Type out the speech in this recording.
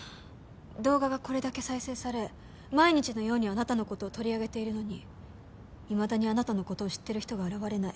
動画がこれだけ再生され毎日のようにあなたの事を取り上げているのにいまだにあなたの事を知ってる人が現れない。